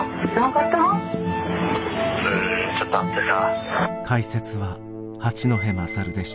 「うんちょっとあってさ」。